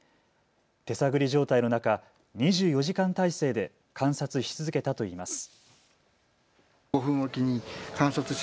手探り状態の中、２４時間態勢で観察し続けたといいます。